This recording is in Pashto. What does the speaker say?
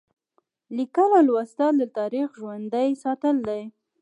لیکل او لوستل د تاریخ ژوندي ساتل دي.